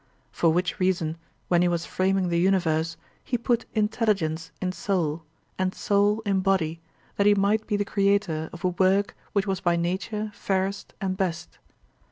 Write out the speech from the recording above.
For which reason, when he was framing the universe, he put intelligence in soul, and soul in body, that he might be the creator of a work which was by nature fairest and best.